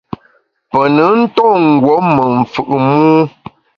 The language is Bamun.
Pe nùn nton ngùom me mfù’ mû.